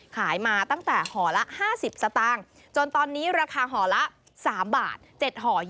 ขายมาตั้งแต่ห่อละ๕๐สตางค์จนตอนนี้ราคาห่อละ๓บาท๗ห่อ